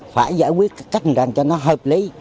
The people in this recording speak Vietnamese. phải giải quyết cách nhanh cho nó hợp lý